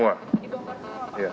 bongkar semua pak